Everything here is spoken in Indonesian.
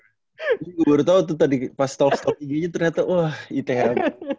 gue baru tau tuh tadi pas talk talk igunya ternyata wah itm